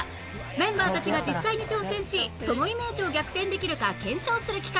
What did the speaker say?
メンバーたちが実際に挑戦しそのイメージを逆転できるか検証する企画